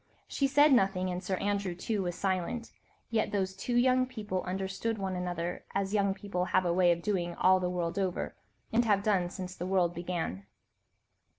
She said nothing, and Sir Andrew too was silent, yet those two young people understood one another, as young people have a way of doing all the world over, and have done since the world began.